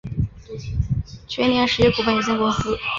全联实业股份有限公司